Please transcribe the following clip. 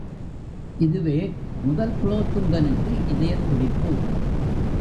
இதுவே முதல் குலோத்துங்கனுக்கு இதயத் துடிப்பு.